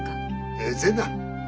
ええぜな。